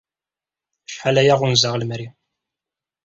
Acḥal aya ɣunzaɣ lemri.